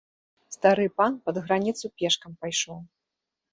Стары пан пад граніцу пешкам пайшоў.